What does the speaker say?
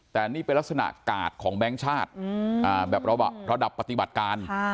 แต่นี่เป็นลักษณะกาดของแบงค์ชาติแบบระดับปฏิบัติการ